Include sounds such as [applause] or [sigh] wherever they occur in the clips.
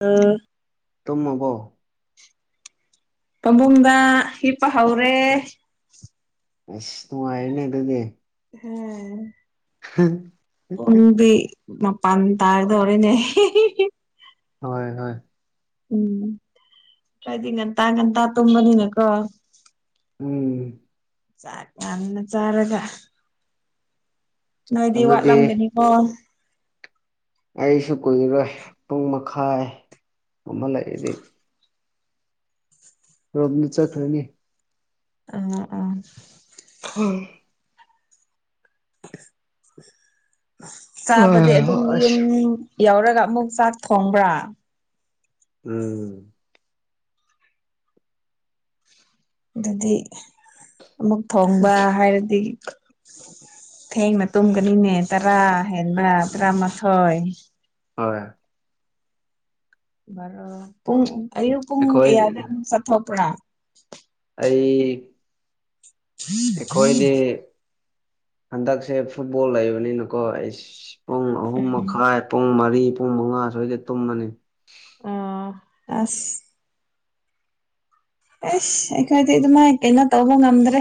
ꯑ ꯇꯨꯝꯃꯕꯣ ꯄꯥꯕꯨꯡꯗ ꯍꯤ ꯄ ꯍꯧꯥꯎꯔꯦ ꯑꯁ ꯅꯨꯡꯉꯥꯏꯔꯅꯦ ꯑꯗꯨꯗꯤ ꯎꯝ ꯍ ꯄꯨꯟꯕꯤ ꯄꯥꯟ ꯇꯔꯗꯔꯦꯅꯦ ꯍꯣꯏ ꯍꯣꯏ ꯎꯝ ꯀꯗꯤ ꯉꯟꯇꯥ ꯉꯟꯇꯥ ꯇꯨꯝꯕꯅꯤꯅꯀꯣ ꯎꯝ ꯥꯛ ꯌꯥꯝꯅ ꯆꯥꯔꯒ ꯅꯣꯏꯗꯤ ꯑꯗꯨꯗꯤ ꯋꯥꯠꯂꯝꯒꯅꯤꯀꯣ ꯑꯩꯁꯨ ꯀꯨꯏꯔꯣꯏ ꯄꯨꯡ ꯃꯈꯥꯏꯒꯨꯝꯍꯂꯛꯏꯗꯤ ꯔꯣꯝꯅ ꯆꯠꯈ꯭ꯔꯅꯤ ꯑꯝ ꯎꯝ ꯍ ꯆꯥꯕꯗꯤ ꯑꯗꯨꯝ ꯌꯨꯝ ꯑꯁ ꯌꯥꯧꯔꯒ ꯑꯃꯨꯛ ꯆꯥꯛ ꯊꯣꯡꯕ꯭ꯔꯥ ꯎꯝ ꯑꯗꯨꯗꯤ ꯑꯃꯨꯛ ꯊꯣꯡꯕ ꯍꯥꯏꯔꯗꯤ ꯊꯦꯡꯅ ꯇꯨꯝꯒꯅꯤꯅꯦ ꯇꯔꯥ ꯍꯦꯟꯕ ꯇꯔꯥꯃꯥꯊꯣꯏ ꯍꯣꯏ ꯄꯨꯡ ꯑꯨ ꯄꯨꯡ ꯀ ꯑꯩꯈꯣꯏ ꯌꯥꯗ ꯁꯊꯣꯄ꯭ꯔꯥ ꯑꯩ ꯑꯩꯈꯣꯏꯗꯤ ꯍꯟꯗꯛꯁꯦ ꯐꯨꯠꯕꯣꯜ ꯂꯩꯕꯅꯤꯅꯀꯣ ꯑꯩ ꯄꯨꯡ ꯑꯍꯨꯝ ꯎꯝ ꯃꯈꯥꯏ ꯄꯨꯡ ꯃꯔꯤ ꯄꯨꯡ ꯃꯉꯥ ꯁ꯭ꯣꯏꯏꯗ ꯇꯨꯝꯃꯅꯤ ꯑꯥ ꯑꯁ ꯑꯦꯁ ꯑꯩꯈꯣꯏꯗꯤ ꯑꯗꯨꯃꯥꯏꯅ ꯀꯩꯅꯣ ꯇꯧꯕ ꯉꯝꯗ꯭ꯔꯦ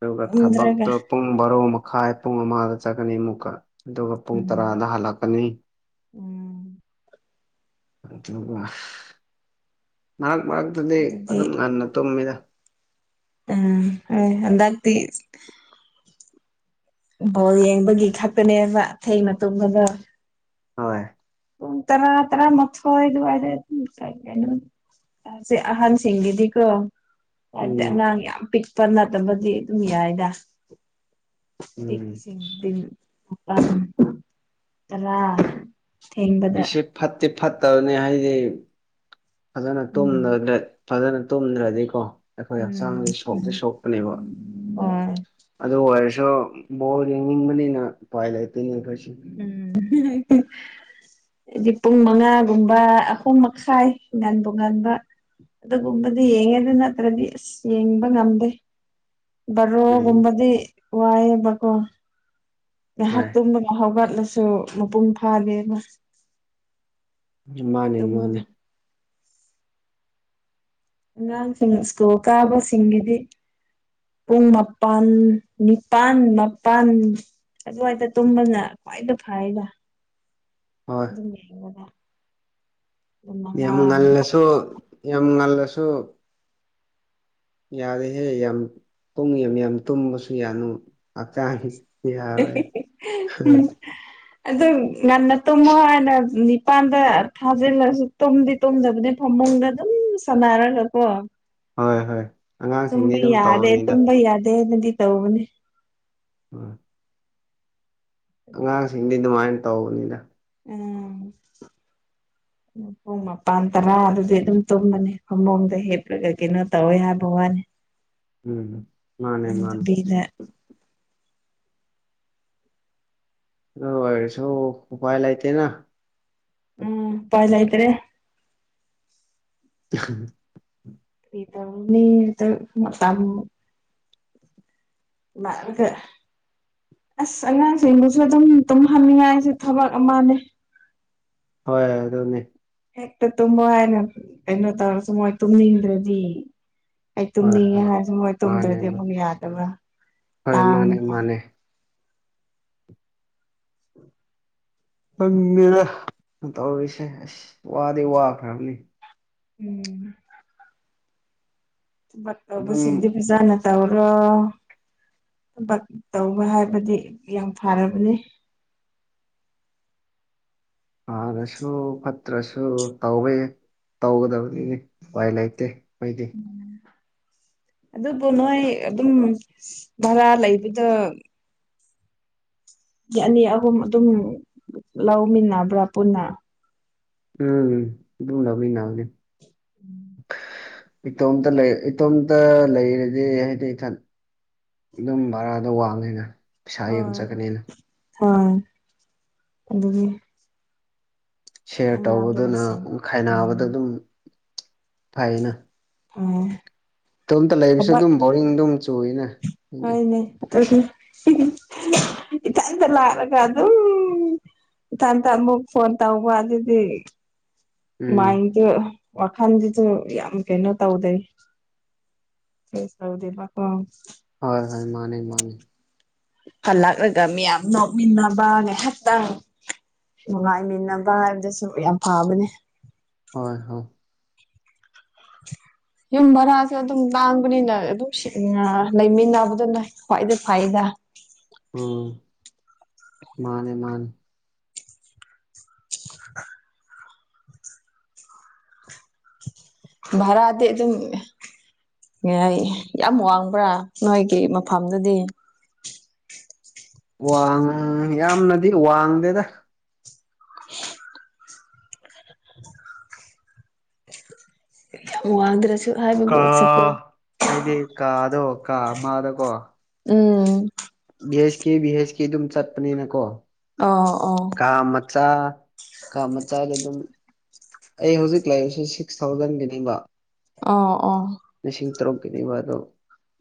ꯑꯗꯨꯒ ꯉꯝꯗ꯭ꯔꯒ ꯊꯕꯛꯇꯣ ꯄꯨꯡ ꯕꯥꯔꯣ ꯃꯈꯥꯏ ꯄꯨꯡ ꯑꯃꯗ ꯆꯠꯀꯅꯤ ꯑꯃꯨꯛꯀ ꯑꯗꯨꯒ ꯄꯨꯡ ꯎꯝ ꯇꯔꯥꯗ ꯍꯜꯂꯛꯀꯅꯤ ꯎꯝ ꯑꯗꯨꯒ ꯃꯔꯛ ꯃꯔꯛꯇꯨꯗꯤ ꯑꯗꯨꯝ ꯉꯟꯅ ꯇꯨꯝꯃꯤꯗ ꯑꯝ ꯑꯗꯥꯛ ꯕꯣꯜ ꯌꯦꯡꯕꯒꯤ ꯈꯛꯇꯅꯦꯕꯊ ꯃꯇꯕꯗ ꯍꯣꯏ ꯎ ꯇꯔꯥ ꯇꯔ ꯃꯊ ꯏ ꯀ ꯑꯍꯟꯁꯤꯡꯒꯤꯗꯤꯀꯣꯗꯤ ꯎꯝ ꯑꯉꯥꯡ ꯌꯥꯝ ꯄꯤꯛ ꯄꯅ ꯇꯝꯕꯗꯤ ꯑꯗꯨꯝ ꯌꯥꯏꯗ ꯎꯝ ꯁꯤ ꯎ ꯔꯥ ꯄꯁꯦ ꯐꯠꯇꯦ ꯐꯠꯇꯕꯅꯦ ꯍꯥꯏꯗꯤ ꯐꯖꯅ ꯎꯝ ꯐꯖꯅ ꯇꯨꯝꯗ꯭ꯔꯗꯤꯀꯣ ꯑꯩꯈꯣꯏ ꯍꯛꯆꯥꯡꯁ ꯎꯝ ꯁꯣꯛꯁꯦ ꯁꯣꯛꯄꯅꯦꯕ ꯍꯣꯏ ꯑꯗꯨ ꯑꯣꯏꯔꯁꯨ ꯣ ꯣꯜ ꯌꯦꯡꯕꯅꯤꯅ ꯄꯥꯏ ꯂꯩꯇꯅꯤ ꯎꯝ ꯍꯥꯏꯗꯤ ꯄꯨꯡ ꯃꯉꯥꯒꯨꯝꯕ ꯑꯍꯨꯝ ꯃꯈꯥꯏ ꯉꯥꯟꯕꯣꯉꯥꯟꯕ ꯑꯗꯨꯒꯨꯝꯕꯗꯤ ꯌꯦꯡꯉꯦ ꯑꯗꯨ ꯅꯠꯇ꯭ꯔꯗꯤ ꯑꯁ ꯌꯦꯡꯕ ꯉꯝꯗꯦ ꯔꯣ ꯎꯝ ꯝꯕꯗꯤ ꯋꯥꯏꯦꯕꯒꯣ ꯉꯥꯏꯍꯥꯛ ꯍꯣꯏ ꯇꯨꯝꯕ ꯍꯧꯒꯠꯂꯁꯨ ꯃꯄꯨꯡ ꯐꯥꯒꯦꯅ ꯃꯥꯅꯦ ꯃꯥꯅꯦ ꯑꯉꯥꯡꯁꯤꯡ ꯁ꯭ꯀꯨꯜ ꯀꯥꯕꯁꯤꯡꯒꯤꯗꯤ ꯄꯨꯡ ꯃꯥꯄꯜ ꯅꯤꯄꯥꯜ ꯃꯥꯄꯜ ꯑꯗꯨꯋꯥꯏꯗ ꯇꯨꯝꯕꯅ ꯈ꯭ꯋꯥꯏꯗ ꯐꯔꯅ ꯍꯣꯏ ꯑꯗꯨꯝ ꯌꯦꯡꯕꯗ ꯑꯗꯨꯝ ꯃꯉꯥ ꯌꯥꯝ ꯉꯜꯂꯁꯨ ꯌꯥꯝ ꯉꯜꯂꯁꯨ ꯌꯥꯔꯦꯍꯦ ꯌꯥꯝ ꯄꯨꯡ ꯌꯥꯝ ꯌꯥꯝ ꯇꯨꯝꯃꯁꯨ ꯌꯥꯅꯨ ꯍꯞꯇꯥꯅꯤ ꯌꯥꯔꯦ ꯎꯝ ꯑꯗꯨ ꯉꯟꯅ ꯇꯨꯝꯃꯣ ꯍꯥꯏꯅ ꯅꯤꯄꯥꯟꯗ ꯊꯥꯖꯤꯜꯂꯁꯨ ꯇꯨꯝꯗꯤ ꯇꯨꯝꯗꯕꯅꯦ ꯐꯝꯃ ꯃꯅ ꯑꯗꯨꯝ ꯁꯅꯥꯥꯔ ꯂ ꯀꯣ ꯍꯣꯏ ꯍꯣꯏ ꯑꯉꯥꯡꯁꯤꯡꯗꯤ ꯁꯨꯝꯕ ꯑꯗꯨꯝ ꯌꯥꯗꯦ ꯇꯧꯕꯅꯤꯗ ꯇꯨꯝꯕ ꯌꯥꯗꯦꯅꯗꯤ ꯇꯧꯕꯅꯦ ꯑ ꯑꯉꯥꯡꯁꯤꯡꯗꯤ ꯑꯗꯨꯃꯥꯏꯅ ꯇꯧꯕꯅꯤꯅ ꯎꯝ [inaudible] ꯨꯡ ꯃꯄꯥꯟ ꯇꯔꯥ ꯑꯗꯨꯗꯤ ꯑꯗꯨꯝ ꯇꯨꯝꯃꯅꯤ ꯈꯃꯣꯡꯗ ꯍꯦꯞꯂꯒ ꯀꯩꯅꯣ ꯇꯧꯋꯦ ꯍꯥꯏꯕ ꯋꯥꯅꯤ ꯎꯝ ꯃꯥꯅꯦ ꯃꯥꯅꯦ ꯑꯗꯨꯗꯕꯤꯗ ꯑꯁꯨꯣ ꯎ ꯄꯥꯏ ꯂꯥꯏꯇꯦꯅ ꯎꯝ ꯄꯥꯏ ꯂꯇꯔꯦ [inaudible] ꯏꯗꯅꯤ ꯃꯝ ꯔꯀꯦ ꯑꯁ ꯑꯉꯥꯡꯁꯤꯡꯗꯨꯁꯨ ꯑꯗꯨꯝ ꯇꯨꯝꯍꯟꯅꯤꯡꯉꯥꯏꯁꯦ ꯊꯕꯛ ꯑꯃꯅꯦ ꯍꯣꯦ ꯍꯦꯛꯇ ꯇꯨꯝꯃꯣꯏ ꯍꯥꯏꯅ ꯀꯩꯅꯣ ꯇꯧꯔꯁꯨ ꯃꯣꯏ ꯇꯨꯝꯅꯤꯡꯗ꯭ꯔꯗꯤ ꯑꯩ ꯍꯣꯏ ꯇꯨꯝꯅꯤꯡꯉꯦ ꯍꯣꯏ ꯍꯥꯏꯔꯁꯨ ꯃꯣꯏ ꯃꯥꯅꯦ ꯇꯨꯝꯗ꯭ꯔꯗꯤ ꯃꯥ ꯑꯃꯨꯛ ꯌꯥꯗꯕ꯭ꯔꯥ ꯍꯣꯏ ꯑ ꯃꯥꯅꯦ ꯃꯥꯅꯦ ꯎ ꯍꯪꯉꯦꯗ ꯇꯧꯔꯔꯤꯁꯦ ꯑꯁ ꯋꯥꯗꯤ ꯋꯥꯈ꯭ꯔꯕꯅꯤ ꯎꯝ ꯕꯨ ꯑꯗꯨꯝ ꯁꯤꯒꯗꯦ ꯄꯖꯥꯅ ꯇꯥꯎ꯭ꯔꯣ ꯊꯕꯛ ꯇꯧꯕ ꯍꯥꯏꯕꯗꯤ ꯌꯥꯝ ꯐꯔꯕꯅꯤ ꯐꯥꯔꯁꯨ ꯐꯠꯇ꯭ꯔꯁꯨ ꯇꯧꯋꯦ ꯇꯧꯒꯗꯕꯅꯤꯅꯦ ꯥꯏ ꯂꯩꯇꯦ ꯃꯗꯤ ꯑꯗꯨꯕꯨ ꯅꯣꯏ ꯑꯗꯨꯝ ꯚꯔꯥ ꯂꯩꯕꯗ ꯌꯥꯅꯤ ꯑꯍꯨꯝ ꯑꯗꯨꯝ ꯂꯧꯃꯤꯟꯅꯕ꯭ꯔꯥ ꯄꯨꯟꯅ ꯎꯝ ꯨꯅꯕꯨ ꯅꯦ ꯏꯇꯣꯝꯇ ꯂꯩ ꯏꯇꯣꯝꯇ ꯂꯩꯔꯗꯤ ꯍꯥꯏꯗꯤ ꯏꯊꯟ ꯑꯗꯨꯝ ꯚꯔꯥꯗ ꯋꯥꯡꯉꯦꯅ ꯄꯩꯁꯥ ꯌꯦꯡ ꯆꯠꯀꯅꯤꯅ ꯑ ꯑꯗꯨꯒꯤ ꯁꯤꯌꯥꯔ ꯈꯪꯅꯕ ꯇꯧꯕꯗꯨꯅ ꯃꯁꯦꯟ ꯎꯝ ꯈꯥꯏꯅꯕꯗ ꯑꯗꯨꯝ ꯐꯩꯅ ꯍ ꯏꯇꯣꯝꯇ ꯂꯩꯕꯁꯨ ꯑꯗꯨꯝ ꯕꯣꯔꯤꯡ ꯑꯗꯨꯝ ꯆꯨꯏꯅ ꯏꯇꯗ ꯂꯔꯒ ꯑꯗꯨ ꯏꯊꯟꯇ ꯑꯃꯨꯛ ꯐꯣꯟ ꯇꯧꯕ ꯑꯗꯨꯗꯤ ꯎꯝ ꯃꯥꯏꯗ ꯋꯥꯈꯥꯟꯗꯤ ꯑꯗꯨ ꯌꯥꯝ ꯀꯩꯅꯣ ꯇꯧꯗꯦ ꯇꯧꯗꯦꯕꯀꯣ ꯍꯣꯏ ꯍꯣꯏ ꯃꯥꯅꯦ ꯃꯥꯅꯦ ꯍꯜꯂꯛꯂꯒ ꯃꯤꯌꯥꯝ ꯅꯣꯛꯃꯤꯟꯅꯕ ꯉꯥꯏꯍꯥꯛꯇꯪ ꯅꯨꯡꯉꯥꯏꯃꯤꯟꯅꯕ ꯍꯥꯏꯕꯗꯁꯨ ꯌꯥꯝ ꯐꯕꯅꯦ ꯍꯣꯏ ꯍꯣꯏ [inaudible] ꯌꯨꯝ ꯚꯔꯥꯁꯦ ꯑꯗꯨꯝ ꯂꯥꯡꯕꯅꯤꯅ ꯑꯗꯨꯝ ꯂꯩꯃꯤꯟꯅꯕꯗꯅ ꯈ꯭ꯋꯥꯏꯗꯩ ꯐꯥꯏꯗ ꯎꯝ ꯃꯥꯅꯦ ꯃꯥꯅꯦ ꯚꯔꯗꯤ ꯑꯗꯨ ꯌꯥꯝ ꯋꯥꯡꯕ꯭ꯔꯥ ꯅꯣꯏꯒꯤ ꯃꯐꯝꯗꯨꯗꯤ ꯋꯥꯡ ꯌꯥꯝꯅꯗꯤ ꯋꯥꯡꯗꯦꯗ ꯋꯥꯗ꯭ꯔꯁꯨ ꯀꯥ ꯍꯥꯏꯗꯤ ꯀꯥꯗꯣ ꯀꯥ ꯑꯃꯗꯀꯣ ꯎꯝ ꯕꯤ ꯑꯩꯆ ꯀꯦ ꯚꯤ ꯍꯁ ꯀꯦ ꯑꯗꯨꯝ ꯆꯠꯄꯅꯤꯅ ꯀꯣ ꯑ ꯑꯣ ꯃꯆꯥ ꯀ ꯃꯆꯥꯒꯤ ꯑꯗꯨꯝ ꯑꯩ ꯍꯧꯖꯤꯛ ꯂꯩꯥꯛꯏꯁꯦ ꯁꯤꯛꯁ ꯊꯥꯎꯖꯟꯒꯤꯅꯤꯕ ꯑ ꯀꯗꯣ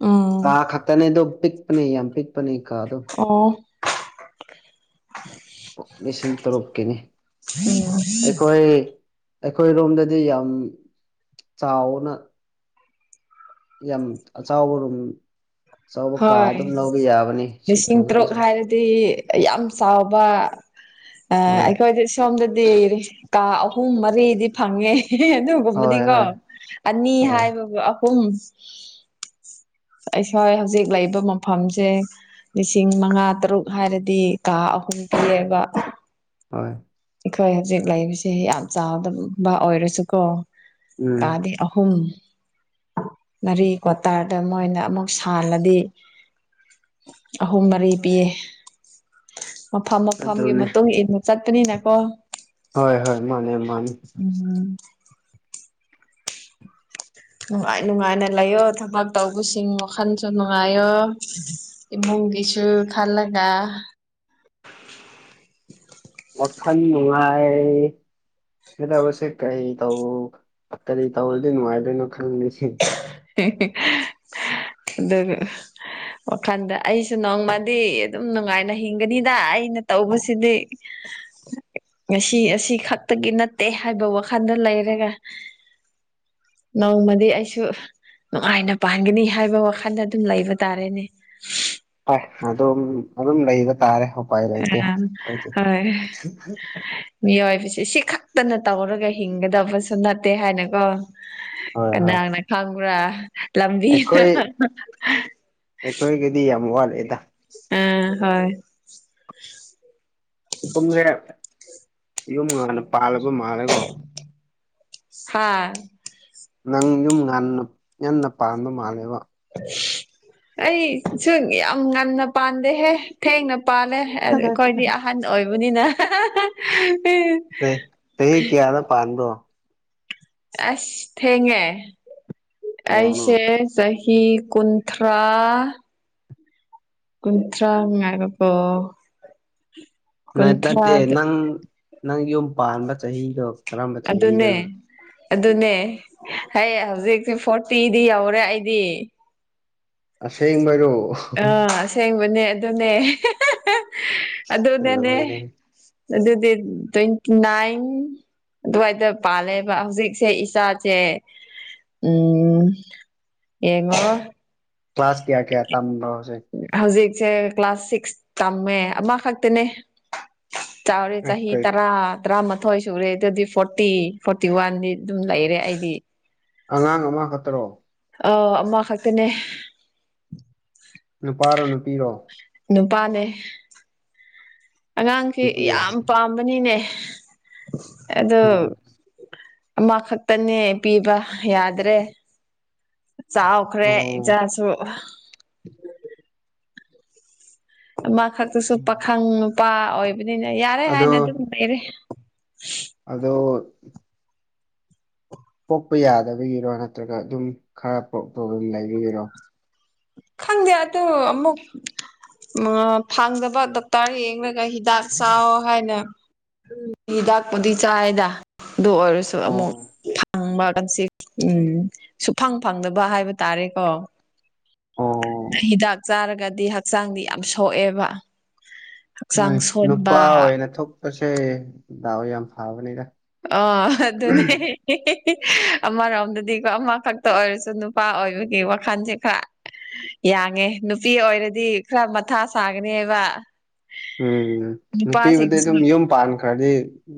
ꯎꯝ ꯀꯥ ꯈꯛꯇꯅꯦ ꯑꯗꯨꯣ ꯄꯤꯛꯄꯅꯦ ꯌꯥꯝ ꯄꯤꯛꯄꯅꯦ ꯀꯥꯗꯣ ꯑꯣ ꯂꯤꯁꯤꯡ ꯇꯔꯨꯛꯀꯤꯅꯤ ꯑꯩꯈꯣꯏ ꯑꯩꯈꯣꯏꯔꯣꯝꯗꯗꯤ ꯌꯥꯝ ꯆꯥꯎꯅ ꯌꯥꯝ ꯑ ꯆꯥꯎꯕꯔꯨꯝ ꯍꯣꯏ ꯁꯤꯛꯁ ꯂꯤꯁꯤꯡ ꯇꯔꯨꯛ ꯊꯥꯎꯖꯟꯁꯦ ꯍꯥꯏꯔꯗꯤ ꯌꯥꯝ ꯆꯥꯎꯕ ꯍꯣꯏ ꯑꯩꯈꯣꯏꯗꯤ ꯁꯣꯝꯗꯗꯤ ꯏꯔꯦ ꯀꯥ ꯑꯍꯨꯝ ꯃꯔꯤꯗꯤ ꯐꯪꯉꯦ ꯍꯣꯏ ꯑꯗꯨꯒꯨꯝꯕꯗꯤꯀꯣ ꯍꯣꯏ ꯑꯅꯤ ꯍꯣꯏ ꯍꯥꯏꯕꯕꯨ ꯎ ꯑꯩꯈꯣꯏ ꯍꯧꯖꯤꯛ ꯂꯩꯕ ꯃꯐꯝꯁꯦ ꯂꯤꯁꯤꯡ ꯃꯉꯥ ꯇꯔꯨꯛ ꯍꯥꯏꯔꯗꯤ ꯀꯥ ꯑꯍꯨꯝ ꯄꯤꯌꯦꯕ ꯍꯣꯏ ꯑꯩꯈꯣꯏ ꯍꯧꯖꯤꯛ ꯂꯩꯁꯦ ꯌꯥꯝ ꯆꯥꯎꯗꯕ ꯑꯣꯏꯔꯁꯨꯀꯣ ꯎꯝ ꯀꯥꯗꯤ ꯑꯍꯨꯝ ꯃꯔꯤ ꯀ꯭ꯋꯥꯇꯥꯔꯗ ꯃꯣꯏꯅ ꯑꯃꯨꯛ ꯁꯥꯜꯂꯗꯤ ꯑꯍꯨꯝ ꯃꯔꯤ ꯄꯤꯌꯦ ꯃꯐꯝ ꯃꯐꯝꯒꯤ ꯑꯗꯨꯅꯦ ꯃꯇꯨꯡ ꯏꯟꯅ ꯆꯠꯄꯅꯤꯅꯀꯣ ꯍꯣꯏ ꯍꯣꯏ ꯃꯥꯅꯦ ꯃꯥꯅꯦ ꯎꯝ ꯅꯨꯡꯉꯥꯏ ꯅꯨꯡꯉꯥꯏꯅ ꯂꯩꯌꯣ ꯊꯕꯛ ꯇꯧꯕꯁꯤꯡ ꯋꯥꯈꯜꯁꯨ ꯅꯨꯡꯉꯥꯏꯌꯣ ꯏꯃꯨꯡ ꯒꯤꯁꯨ ꯈꯜꯂꯥ [inaudible] ꯑꯣꯟꯅꯨꯡꯉ ꯍꯦꯗ ꯑꯁꯦ ꯀꯩ ꯇꯕꯨ ꯇꯔꯔꯤ ꯇ ꯑꯣꯗꯤꯅꯅꯨꯡꯥꯏꯗꯅꯣ ꯈꯪꯁꯤ ꯗ ꯋꯥꯈꯜꯗ ꯑꯩꯁꯨ ꯅꯣꯡꯃꯗꯤ ꯑꯗꯨꯝ ꯅꯨꯡꯉꯥꯏꯅ ꯍꯤꯡꯒꯅꯤꯗ ꯑꯩꯅ ꯇꯧꯕꯁꯤꯗꯤ [inaudible] ꯉꯁꯤ ꯑꯁꯤ ꯈꯛꯇꯒꯤ ꯅꯠꯇꯦ ꯍꯥꯏꯕ ꯋꯥꯈꯜꯗ ꯂꯩꯔꯒ ꯅꯎꯃꯗꯤ ꯑꯩꯁꯨ ꯅꯨꯡꯉꯥꯏꯅ ꯄꯥꯟꯒꯅꯤ ꯍꯥꯏꯕ ꯋꯥꯈꯜꯗ ꯑꯗꯨꯝ ꯂꯩꯕ ꯇꯥꯔꯦꯅꯦ ꯍꯣꯏ ꯑꯗꯨꯝ ꯑꯗꯨꯝ ꯂꯩꯕ ꯇꯥꯔꯦ ꯎꯄꯥꯏ ꯂꯩꯇꯦ ꯑ ꯍꯣꯏ ꯃꯤꯑꯣꯏꯕꯁꯦ ꯁꯤ ꯈꯛꯇꯅ ꯇꯧꯔꯒ ꯍꯤꯡꯒꯗꯕꯁꯨ ꯅꯠꯇꯦ ꯍꯥꯏꯅꯀꯣ ꯍꯣꯏ ꯀꯅꯥꯅ ꯈꯪꯕ꯭ꯔꯥ ꯂꯪꯕꯤ ꯑꯩꯈꯣꯏ ꯑꯩꯈꯣꯏꯒꯤꯗꯤ ꯌꯥꯝ ꯋꯥꯠꯂꯦꯗ ꯑ ꯍꯣꯏ ꯄꯨꯝꯁꯦ ꯌꯨꯝ ꯍꯥꯟꯅ ꯄꯥꯜꯂꯕ ꯃꯥꯜꯂꯦꯀꯣ ꯍꯥꯥ ꯅꯪ ꯌꯨꯝ ꯉꯟꯅ ꯉꯟꯅ ꯄꯥꯟꯕ ꯃꯥꯜꯂꯦꯕ ꯑꯩꯁꯨ ꯌꯥꯝ ꯉꯟꯅ ꯄꯥꯟꯗꯦꯍꯦ ꯊꯦꯡꯅ ꯅꯨꯄꯥꯅꯦꯦ ꯑꯩꯈꯣꯏꯗꯤ ꯑꯍꯟ ꯑꯣꯏꯕꯅꯤꯅ ꯆꯍꯤ ꯀꯌꯥꯗ ꯄꯥꯥꯟꯗꯣ ꯑꯁ ꯊꯦꯡꯉꯦ ꯀꯌꯥꯅꯣ ꯑꯩꯁꯦ ꯀꯤ ꯀꯨꯟꯊ꯭ꯔꯥ ꯀꯨꯟꯊ꯭ꯔꯥꯉꯥꯏꯒ ꯄꯣ ꯅꯠꯇꯦ ꯅꯪ ꯅꯪ ꯌꯨꯝ ꯄꯥꯟꯕ ꯆꯍꯤꯗꯣ ꯀꯔꯝꯕ ꯆꯍꯤꯗ ꯑꯗꯨꯅꯦ ꯑꯗꯨꯅꯦ ꯍ ꯍꯧꯖꯤꯛꯁꯤꯦ ꯐꯣꯔꯇꯤꯗꯤ ꯌꯧꯔꯦ ꯑꯩꯗꯤ ꯑꯁꯦꯡꯕꯔꯣ ꯑꯥ ꯑꯁꯦꯡꯕꯅꯦ ꯑꯗꯨꯅꯦ ꯑꯗꯨꯅꯦꯅꯦ ꯂꯣꯏꯔꯦ ꯑꯗꯨꯗꯤ ꯇ꯭ꯋꯦꯟꯇꯤ ꯅꯥꯏꯟ ꯑꯗꯨꯋꯥꯏꯗ ꯄꯥꯜꯂꯦꯕ ꯍꯧꯖꯤꯛꯁꯦ ꯏꯁꯥꯁꯦ ꯎꯝ ꯌꯦꯉꯣ ꯀ꯭ꯂꯥꯁ ꯀꯌꯥ ꯀꯌꯥ ꯇꯝꯕ꯭ꯔꯣ ꯍꯧꯖꯤꯛ ꯍꯧꯖꯤꯛꯁꯦ ꯀ꯭ꯂꯥꯁ ꯁꯤꯛꯁ ꯇꯝꯃꯦ ꯑꯃꯈꯛꯇꯅꯦ ꯆꯋꯔ ꯑꯦ ꯆꯍꯤ ꯀꯩ ꯇꯔꯥ ꯇꯔꯥꯃꯥꯊꯣꯏ ꯁꯨꯔꯦ ꯑꯗꯨꯗꯤ ꯐꯣꯔꯇꯤ ꯐꯣꯔꯇꯤ ꯋꯥꯟꯗꯤ ꯑꯗꯨꯝ ꯂꯩꯔꯦ ꯑꯩꯗꯤ ꯑꯉꯥꯡ ꯑꯃꯈꯛꯇꯔꯣ ꯑ ꯑꯃ ꯈꯛꯇꯅꯦ ꯄꯤꯔꯣ ꯅꯨꯄꯥꯅꯦ ꯑꯉꯥꯡꯁꯦ ꯅꯨꯄꯤ ꯌꯥꯝ ꯄꯥꯝꯕꯅꯤꯅꯦ ꯑꯣ ꯎꯝ ꯑꯃꯈꯛꯇꯅꯦ ꯄꯤꯕ ꯌꯥꯗ꯭ꯔꯦ ꯆꯥꯎꯈ꯭ꯔꯦ ꯑꯣ ꯏꯆꯥꯁꯨ ꯑꯃ ꯈꯛꯇꯁꯨ ꯄꯥꯈꯪ ꯅꯨꯄꯥ ꯑꯣꯏꯕꯅꯤꯅ ꯌꯥꯔꯦ ꯑꯗꯣ ꯍꯥꯏꯅ ꯑꯗꯨꯝ ꯂꯩꯔꯦ ꯑꯗꯣ ꯄꯣꯛꯄ ꯌꯥꯗꯕꯒꯤꯔꯣ ꯅꯠꯇ꯭ꯔꯒ ꯑꯗꯨꯝ ꯈꯔ ꯄ꯭ꯔꯣꯕ꯭ꯂꯦꯝ ꯂꯩꯕꯒꯤꯔꯣ ꯈꯪꯗꯦ ꯑꯗꯨ ꯑꯃꯨꯛ ꯐꯪꯗꯕ ꯗꯣꯛꯇꯔ ꯌꯦꯡꯂꯒ ꯍꯤꯗꯥꯛ ꯆꯥꯎ ꯍꯥꯏꯅ ꯎ ꯍꯤꯗꯥꯛꯄꯨꯗꯤ ꯆꯥꯏꯗ ꯑꯗꯨ ꯑꯣꯏꯔꯁꯨ ꯑꯣ ꯑꯃꯨꯛ ꯐꯪꯕ ꯎꯝ ꯁꯨꯐꯪ ꯐꯪꯗꯕ ꯍꯥꯏꯕ ꯇꯥꯔꯦꯀꯣ ꯑꯣ ꯍꯤꯗꯥꯛ ꯆꯥꯔꯒꯗꯤ ꯍꯛꯆꯥꯡꯗꯤ ꯌꯥꯝ ꯁꯣꯛꯑꯦꯕ ꯍꯛꯆꯥꯡ ꯍꯣꯏ ꯅꯨꯄꯥ ꯁꯣꯟꯕ ꯑꯣꯏꯅ ꯊꯣꯛꯄꯁꯦ ꯗꯥꯎ ꯌꯥꯝ ꯐꯕꯅꯤꯗ ꯑ ꯑꯗꯨ ꯑꯗꯨꯅꯦ ꯑꯃꯔꯣꯝꯗꯗꯤꯀꯣ ꯑꯃꯈꯛꯇ ꯑꯣꯏꯔꯁꯨ ꯅꯨꯄꯥ ꯑꯣꯏꯕꯒꯤ ꯋꯥꯈꯜꯁꯦ ꯈꯔ ꯌꯥꯡꯉꯦ ꯅꯨꯄꯤ ꯑꯣꯏꯔꯗꯤ ꯈꯔ ꯃꯊꯥ ꯁꯥꯒꯅꯤ ꯍꯥꯏꯕ ꯎꯝ ꯅꯨꯄꯤꯕꯨꯗꯤ ꯑꯗꯨꯝ ꯌꯨꯝ ꯄꯥꯟꯈ꯭ꯔꯗꯤ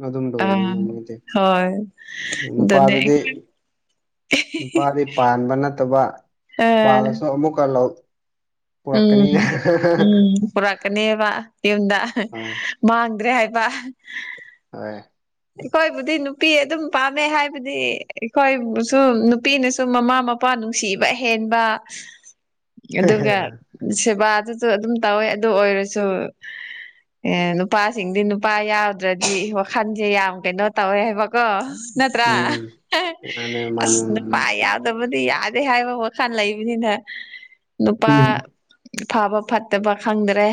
ꯑꯗꯨꯝ ꯂ ꯑꯣꯏꯔꯦ ꯑꯥ ꯅꯣꯡꯃꯒꯤꯗꯤ ꯍꯣꯏ ꯑꯗꯨꯅꯦ ꯅꯨꯄꯥꯗꯗꯤ ꯅꯨꯄꯥꯗꯤ ꯄꯥꯟꯕ ꯅꯠꯇꯕ ꯑꯥ ꯄꯥꯜꯂꯁꯨ ꯑꯃꯨꯛꯀ ꯂꯧ ꯄꯨꯔꯛꯀꯅꯤꯅ ꯎꯝ ꯎꯝ ꯄꯨꯔꯛꯀꯅꯦꯕ ꯌꯨꯝꯗ ꯍꯣꯏ ꯃꯥꯡꯗ꯭ꯔꯦ ꯍꯥꯏ [inaudible] ꯍꯣꯏ ꯑꯩꯈꯣꯏꯕꯨꯗꯤ ꯅꯨꯄꯤ ꯑꯗꯨꯝ ꯄꯥꯝꯃꯦ ꯍꯥꯏꯕꯗꯤ ꯑꯩꯈꯣꯏꯕꯨꯁꯨ ꯅꯨꯄꯤꯅꯁꯨ ꯃꯃꯥ ꯃꯄꯥ ꯅꯨꯡꯁꯤꯕ ꯍꯦꯟꯕ ꯑꯗꯨꯒ ꯁꯦꯕꯥ ꯑꯗꯨꯁꯨ ꯑꯗꯨꯝ ꯇꯧꯋꯦ ꯑꯗꯨ ꯑꯣꯏꯔꯁꯨ ꯑꯦ ꯅꯨꯄꯥꯁꯤꯡꯗꯤ ꯅꯨꯄꯥ ꯌꯥꯎꯗ꯭ꯔꯗꯤ ꯋꯥꯈꯟꯁꯦ ꯌꯥꯝ ꯀꯩꯅꯣ ꯇꯧꯋꯦ ꯍꯥꯏꯕꯀꯣ ꯅꯠꯇ꯭ꯔꯥ ꯎꯝ ꯃꯥꯅꯦ ꯑꯁ ꯃꯥꯅꯦ ꯅꯨꯄꯥ ꯌꯥꯎꯗꯕꯗꯤ ꯌꯥ ꯑꯩ ꯍꯥꯏꯕ ꯋꯥꯈꯜ ꯂꯩꯕꯅꯤꯅ ꯅꯨꯄꯥ ꯃꯥꯅꯦ ꯐꯕ ꯐꯠꯇꯕ ꯈꯪꯗ꯭ꯔꯦ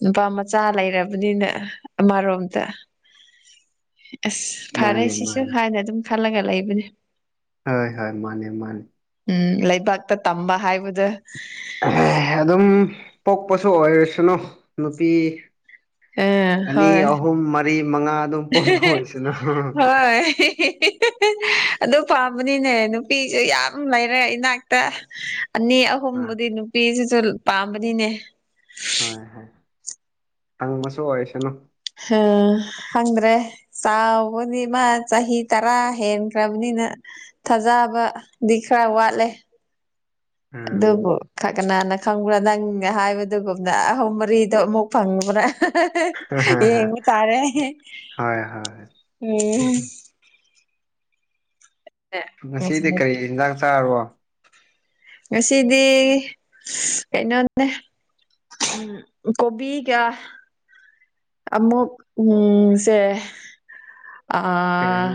ꯅꯨꯄꯥ ꯃꯆꯥ ꯂꯩꯔꯕꯅꯤꯅ ꯑꯃꯔꯣꯝꯗ ꯑꯁ ꯐꯔꯦ ꯃꯥꯅꯦ ꯁꯤꯁꯨ ꯃꯥꯅꯦ ꯍꯥꯏꯅ ꯑꯗꯨꯝ ꯈꯜꯂꯒ ꯂꯩꯕꯅꯦ ꯍꯣꯏ ꯍꯣꯏ ꯃꯥꯅꯦ ꯃꯥꯅꯦ ꯎꯝ ꯂꯩꯕꯥꯛꯇ ꯇꯝꯕ ꯍꯥꯏꯕꯗ ꯑꯗꯨꯝ ꯄꯣꯛꯄꯁꯨ ꯑꯣꯏꯔꯁꯅꯨ ꯅꯨꯄꯤ ꯑꯥ ꯑꯅꯤ ꯍꯣꯏ ꯑꯍꯨꯝ ꯃꯔꯤ ꯃꯉꯥ ꯑꯗꯨꯝ ꯄꯣꯛꯄ ꯑꯣꯏꯁꯤꯅ ꯍꯣꯏ ꯑꯗꯨ ꯄꯥꯝꯕꯅꯤꯅꯦ ꯅꯨꯄꯤꯁꯨ ꯌꯥꯝ ꯂꯩꯔꯦ ꯏꯅꯥꯛꯇ ꯑꯅꯤ ꯑ ꯑꯍꯨꯝꯕꯨꯗꯤ ꯅꯨꯄꯤꯁꯤꯁꯨ ꯄꯥꯝꯕꯅꯤꯅꯦ ꯍꯣꯏ ꯍꯣꯏ ꯍꯪꯕꯁꯨ ꯑꯣꯏꯁꯅꯨ ꯑ ꯈꯪꯗ꯭ꯔꯦ ꯆꯥꯎꯕꯅꯤ ꯃꯥ ꯆꯍꯤ ꯇꯔꯥ ꯍꯦꯟꯈ꯭ꯔꯕꯅꯤ ꯑꯩꯅ ꯊꯥꯖꯕꯗꯤ ꯈꯔ ꯋꯥꯠꯂꯦ ꯎꯝ ꯑꯗꯨꯕꯨ ꯀꯅꯥꯅ ꯈꯪꯕ꯭ꯔꯥ ꯅꯪ ꯍꯥꯏꯕꯗꯨꯒꯨꯝꯅ ꯑꯍꯨꯝ ꯃꯔꯤꯗꯣ ꯑꯃꯨꯛ ꯐꯪꯕ꯭ꯔꯥ ꯌꯦꯡꯕ ꯇꯥꯔꯦ ꯍꯣꯏ ꯍꯣꯏ ꯎꯝ ꯉꯁꯤꯗꯤ ꯀꯔꯤ ꯍꯤꯟꯖꯥꯛ ꯆꯥꯔꯣ ꯉꯁꯤꯗꯤ ꯀꯩꯅꯣꯅꯦ ꯎꯝ ꯀꯣꯕꯤ ꯀꯌꯥ ꯃꯛ ꯎꯝꯁꯦ ꯑ ꯀꯔꯤꯅꯣ